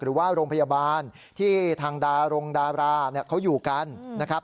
หรือว่าโรงพยาบาลที่ทางดารงดาราเขาอยู่กันนะครับ